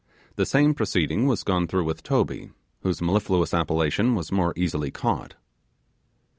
The same proceeding was gone through with Toby, whose mellifluous appellation was more easily caught.